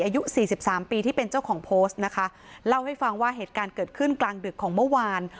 อายุสี่สิบสามปีที่เป็นเจ้าของโพสต์นะคะเล่าให้ฟังว่าเหตุการณ์เกิดขึ้นกลางดึกของเมื่อวาน